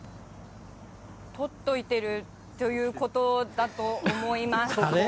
取っといてるということだと思います。